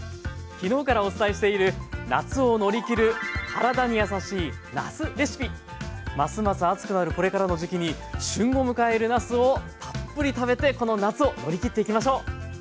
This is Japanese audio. きのうからお伝えしているますます暑くなるこれからの時期に旬を迎えるなすをたっぷり食べてこの夏を乗りきっていきましょう！